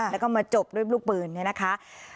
แล้วก็มาจบด้วยลูกปืนเนี่ยนะคะ